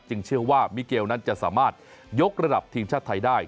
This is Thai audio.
เชื่อว่ามิเกลนั้นจะสามารถยกระดับทีมชาติไทยได้